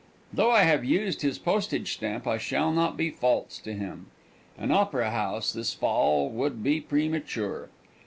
Though I have used his postage stamp I shall not be false to him. An opera house this fall would be premature.